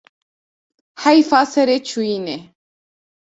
Heyfa serê çûyînê